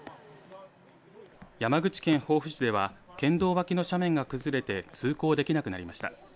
山口県防府市では県道脇の斜面が崩れて通行できなくなりました。